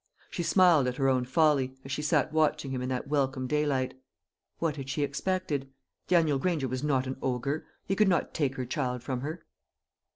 She smiled at her own folly, as she sat watching him in that welcome daylight. What had she expected? Daniel Granger was not an ogre. He could not take her child from her.